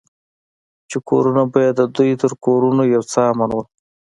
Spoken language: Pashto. چې کورونه به يې د دوى تر کورونو يو څه امن وو.